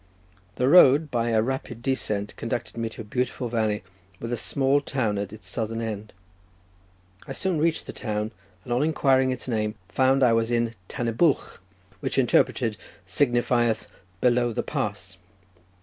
The road by a rapid descent conducted me to a beautiful valley, with a small town at its southern end. I soon reached the town, and on inquiring its name, found I was in Tan y Bwlch, which interpreted signifieth "Below the Pass."